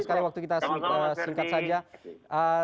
sekali waktu kita singkat saja